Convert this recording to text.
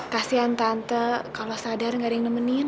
kasian tante kalau sadar gak ada yang nemenin